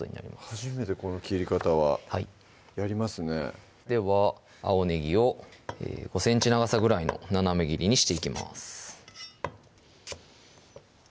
初めてこの切り方はやりますねでは青ねぎを５ｃｍ長さぐらいの斜め切りにしていきます